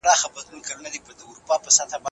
بزګر د خپل زوړ آس په مینه کې یو نوی رنګ ولید.